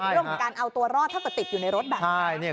เรื่องการเอาตัวรอดเท่ากับติดอยู่ในรถแบบนี้